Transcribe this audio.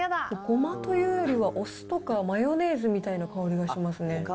ごまというよりは、お酢とかマヨネーズみたいな香りがしますね。